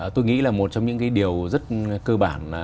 tôi nghĩ là một trong những cái điều rất cơ bản